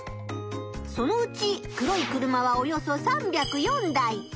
そのうち黒い車はおよそ３０４台。